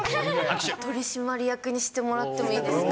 取締役にしてもらってもいいですか？